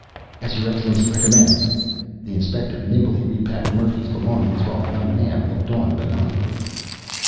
"As your Excellency recommends...." The inspector nimbly repacked Murphy's belongings, while the young man looked on benignly.